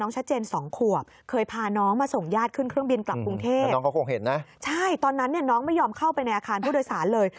ใช่ตอนนั้นน้องไม่ยอมเข้าไปในอาคารผู้โดยสารเลย